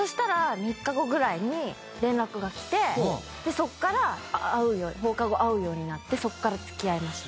そっから放課後会うようになってそっから付き合いました。